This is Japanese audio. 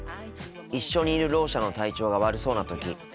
一緒にいるろう者の体調が悪そうな時